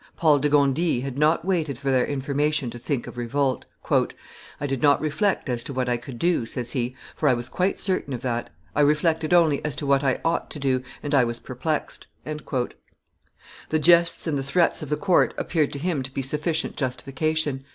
Paul de Gondi had not waited for their information to think of revolt. "I did not reflect as to what I could do," says he, "for I was quite certain of that; I reflected only as to what I ought to do, and I was perplexed." The jests and the threats of the court appeared to him to be sufficient justification.